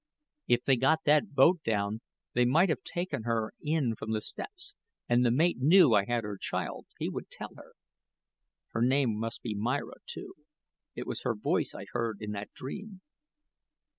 If they got that boat down, they might have taken her in from the steps; and the mate knew I had her child he would tell her. Her name must be Myra, too; it was her voice I heard in that dream.